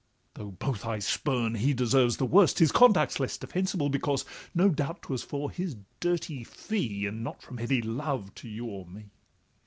though both I spurn, he Deserves the worst, his conduct 's less defensible, Because, no doubt, 'twas for his dirty fee, And not from any love to you nor me.